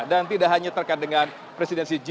dan tidak hanya terkait dengan presidensi g dua puluh